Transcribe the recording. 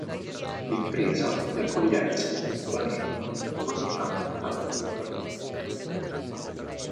L'impresa di accoglienza degli albanesi fu coordinata dal Dipartimento.